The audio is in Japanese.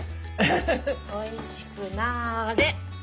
おいしくなれ。